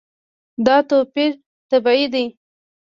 دا توپیر طبیعي دی.